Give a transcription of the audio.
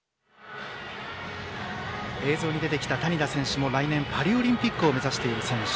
映像に出てきた谷田選手も来年、パリオリンピックを目指している選手。